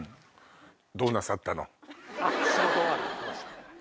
どうなさったの？